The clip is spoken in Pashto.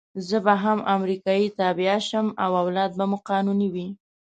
زه به هم امریکایي تبعه شم او اولاد به مو قانوني وي.